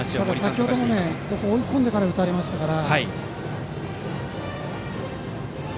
ただ先程も追い込んでから打たれたので。